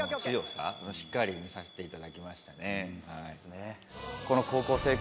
しっかり見させていただきましたね。